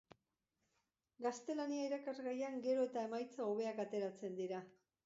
Gaztelania irakasgaian gero eta emaitza hobeak ateratzen dira.